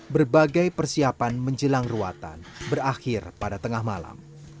berbagai persiapan menjelang ruatan berakhir pada tengah malam